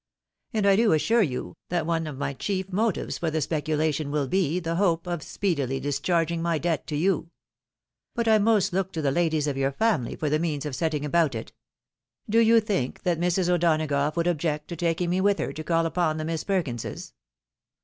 And I do assure you, that one of my chief motives for the speculation will be, the hope of speedily discharging my debt to you. But I must look to the ladies of your family for the means of setting about it. Do you think that Mrs. O'Donagoughwould object to taking me with her to call upon the Miss Perkinses